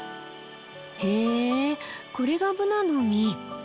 へえこれがブナの実。